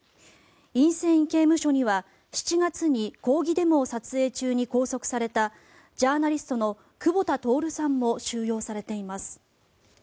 インセイン刑務所には７月に抗議デモを撮影中に拘束されたジャーナリストの久保田徹さんも収容されています。